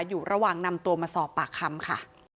อยู่ระหว่างนำตัวมาสอบปากคำค่ะ